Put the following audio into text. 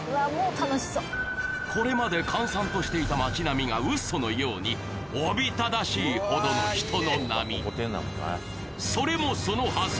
これまで閑散としていた街並みがうそのようにおびただしいほどの人の波それもそのはず